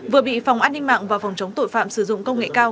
vừa bị phòng an ninh mạng và phòng chống tội phạm sử dụng công nghệ cao